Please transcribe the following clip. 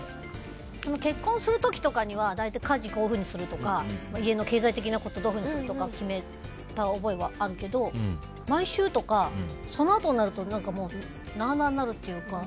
結婚する時とかは家事こういうふうにするとか家の経済的なことをどういうふうにするとか決めた覚えはあるけど毎週とか、そのあとになるとなあなあになるというか。